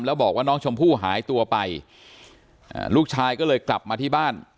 แล้วบอกว่าน้องชมพู่หายตัวไปลูกชายก็เลยกลับมาที่บ้าน